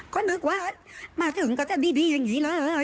ก็นึกว่ามาถึงก็จะดีอย่างนี้เลย